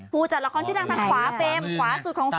ผู้จัดละครที่ดังทางขวาสุดของเฟม